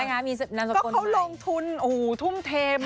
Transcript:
ก็เขาลงทุนทุ่มเทใหม่นะ